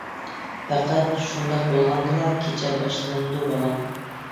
-پەقەت شۇنداق بولغاندىلا كېچە باشلىنىدۇ بالام.